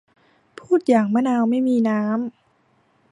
พูดอย่างมะนาวไม่มีน้ำ